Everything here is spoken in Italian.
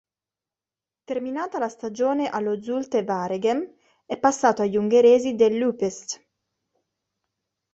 Terminata la stagione allo Zulte Waregem, è passato agli ungheresi dell'Újpest.